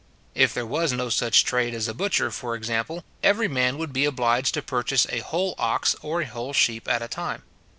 If there was no such trade as a butcher, for example, every man would be obliged to purchase a whole ox or a whole sheep at a time.